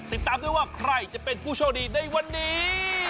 ติดตามด้วยว่าใครจะเป็นผู้โชคดีในวันนี้